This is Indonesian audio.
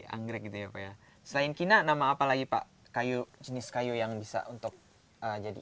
anggrek gitu ya pak ya selain kina nama apa lagi pak kayu jenis kayu yang bisa untuk jadi